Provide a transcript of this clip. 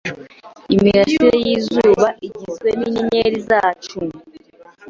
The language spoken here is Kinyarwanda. Imirasire y'izuba igizwe n'inyenyeri yacu